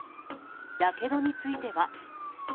やけどについては。